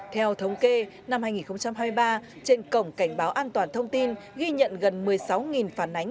theo thống kê năm hai nghìn hai mươi ba trên cổng cảnh báo an toàn thông tin ghi nhận gần một mươi sáu phản ánh